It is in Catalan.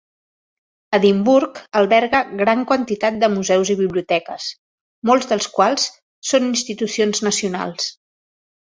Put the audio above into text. Edimburg alberga gran quantitat de museus i biblioteques, molts dels quals són institucions nacionals.